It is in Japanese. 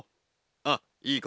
あっいい